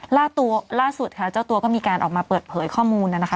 ล่าสุดค่ะเจ้าตัวก็มีการออกมาเปิดเผยข้อมูลนะคะ